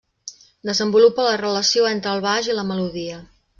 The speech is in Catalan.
Desenvolupa la relació entre el baix i la melodia.